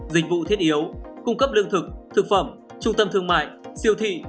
dịch vụ thiết yếu cung cấp lương thực thực phẩm trung tâm thương mại siêu thị